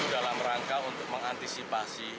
dalam rangka untuk mengantisipasi